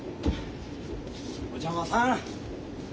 お邪魔さん。